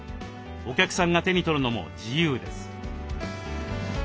お客さんが手に取るのも自由です。